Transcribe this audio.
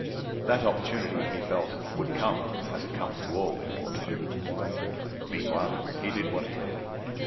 That opportunity, he felt, would come, as it comes to all in wartime. Meanwhile he did what he could.